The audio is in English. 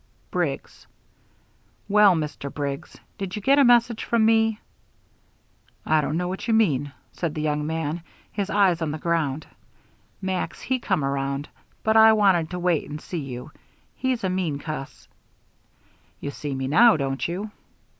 "Briggs." "Well, Mr. Briggs, did you get a message from me?" "I don't know what you mean," said the young man, his eyes on the ground. "Max, he come around, but I wanted to wait and see you. He's a mean cuss " "You see me now, don't you?"